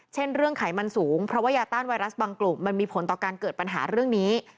เช่นเรื่องไขมันสูงเพราะว่ายาต้านไวรัสบางกลุ่มมันมีผลต่อการเกิดปัญหาเรื่องนี้